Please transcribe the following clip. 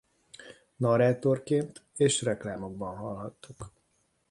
Narrátorként és reklámokban hallhattuk.